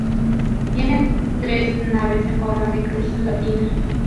Tiene tres naves en forma de cruz latina.